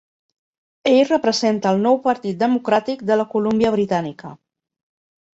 Ell representa al Nou Partit Democràtic de la Colúmbia Britànica.